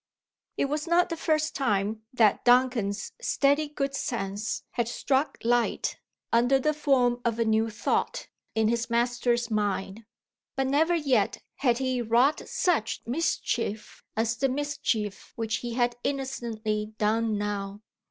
It was not the first time that Duncan's steady good sense had struck light, under the form of a new thought, in his master's mind. But never yet had he wrought such mischief as the mischief which he had innocently done now.